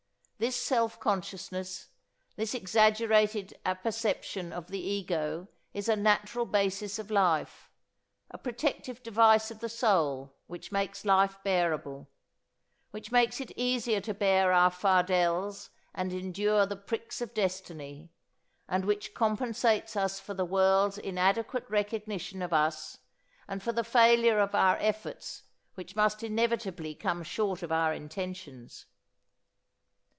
This self consciousness, this exaggerated apperception of the ego is a natural basis of life, a protective device of the soul which makes life bearable, which makes it easier to bear our fardels and endure the pricks of destiny, and which compensates us for the world's inadequate recognition of us and for the failure of our efforts which must inevitably come short of our intentions.